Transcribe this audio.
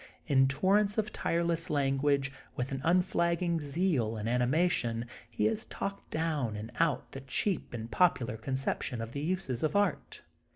In torrents of tireless language, with an unflagging zeal and animation, he has talked down and out the cheap and popular conception of the uses of art.